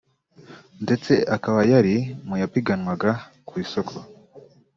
ndetse akaba yari mu yapiganwaga ku isoko